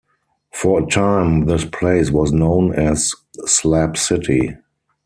For a time this place was known as "Slab City".